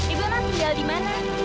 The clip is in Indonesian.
ibu tinggal di mana